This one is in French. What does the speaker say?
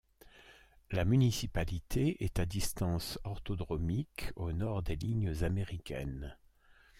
La municipalité est à distance orthodromique au nord des lignes américaines.